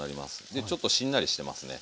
ちょっとしんなりしてますね。